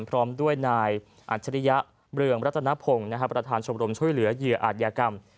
พร้อมด้วยนายอัจฉริยะเรืองรัตนพงศ์ประธานชมรมช่วยเหลือเหยื่ออาจยากรรม